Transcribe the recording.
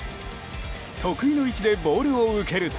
得意の位置でボールを受けると。